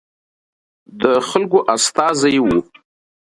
د خلکو استازي وو.